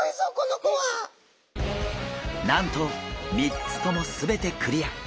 なんと３つとも全てクリア！